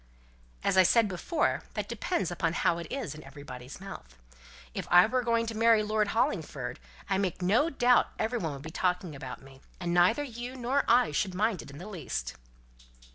"As I said before, that depends upon how it is in everybody's mouth. If I were going to marry Lord Hollingford, I make no doubt every one would be talking about me, and neither you nor I should mind it in the least."